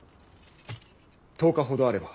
１０日ほどあれば。